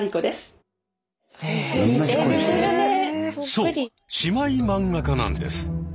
そう姉妹漫画家なんです。